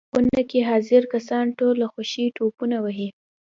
په خونه کې حاضر کسان ټول له خوښۍ ټوپونه وهي.